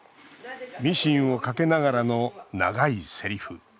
ミシンをかけながらの長いセリフ。